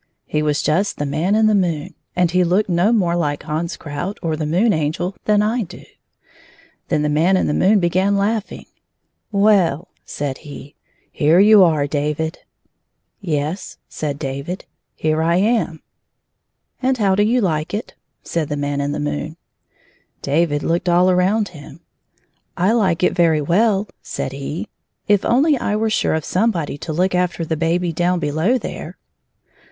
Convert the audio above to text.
He was just the Man in the moon, and he looked no more like Hans Kjout or the Moon Angel than I do. Then the Man in the moon began laughing. Well," said he, " here you are, David." '' Yes," said David, " here I am." 46 " And how do you like it 1 *' said the Man in the moon, David looked all around him, " I like it very well/' said he —" if only I were sure of somebody to look after the baby down below there."